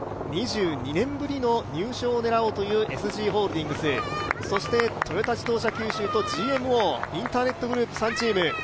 ２２年ぶりの入賞を狙おうというＳＧホールディングスそしてトヨタ自動車九州とＧＭＯインターネットグループの３チーム。